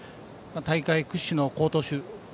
大会屈指の好投手。